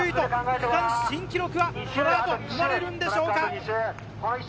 区間新記録は生まれるのでしょうか？